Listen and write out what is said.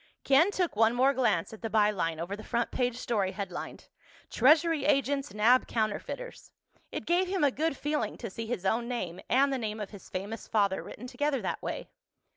Ken took one more glance at the by line over the front page story headlined: TREASURY AGENTS NAB COUNTERFEITERS. It gave him a good feeling to see his own name and the name of his famous father written together that way.